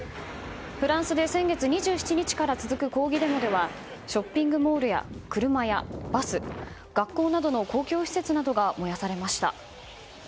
フランスで先月２７日から続く抗議デモではショッピングモールや車やバス学校などの公共施設などが燃やされました。